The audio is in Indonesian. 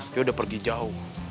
dia udah pergi jauh